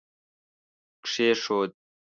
کښېښود